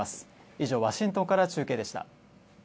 以上、ワシントンから中継でした。